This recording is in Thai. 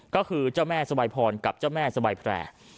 ก็คือเจ้าแม่สบายพรกับเจ้าแม่สบายแพร่